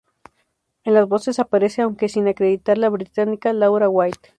En las voces aparece, aunque sin acreditar, la británica Laura White.